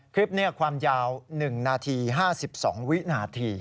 คลิปความยาว๑นาที๕๒วินาที